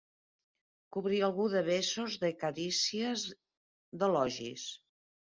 Cobrir algú de besos, de carícies, d'elogis.